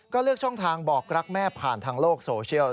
ก็เลือกช่องทางบอกรักแม่ผ่านทางโลกโซเชียล